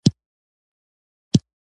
له پيالو تپ خوت.